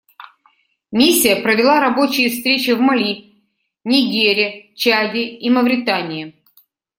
Миссия провела рабочие встречи в Мали, Нигере, Чаде и Мавритании.